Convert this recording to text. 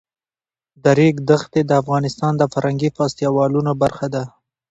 د ریګ دښتې د افغانستان د فرهنګي فستیوالونو برخه ده.